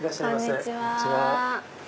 こんにちは。